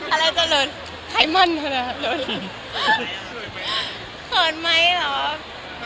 อ๋ออะไรจะเหลือไทมันเหรอครับเขินไหมเหรอ